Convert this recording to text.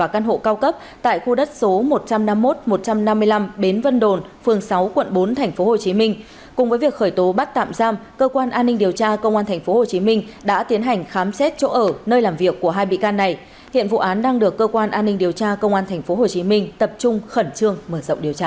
cơ quan an ninh điều tra công an tp hcm đã tiến hành khám xét chỗ ở nơi làm việc của hai bị can này hiện vụ án đang được cơ quan an ninh điều tra công an tp hcm tập trung khẩn trương mở rộng điều tra